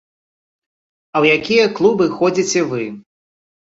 А ў якія клубы ходзіце вы?